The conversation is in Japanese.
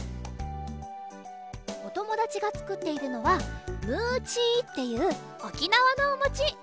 おともだちがつくっているのは「ムーチー」っていうおきなわのおもち。